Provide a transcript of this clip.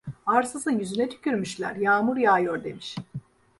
Arsızın yüzüne tükürmüşler, yağmur yağıyor demiş.